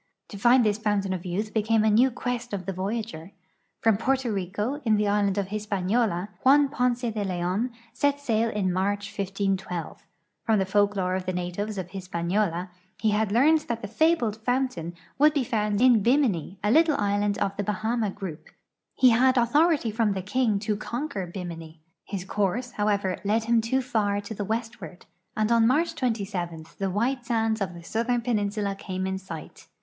J'o find this fountain of youth became a new quest of the voyager. From Porto Pico, in the island of His[)aniola, Juan Ponce de Leon set sail in March, 1512. From the folklore of the natives of IIisi)aniola he had learned that the fabled fountain would be found in Bimini, a little island of the Bahama group. I le had authority from the king to compier Bimini. His course, however, led him too far to the westward, and on March 27 the white sands of the southern peninsula came in sight.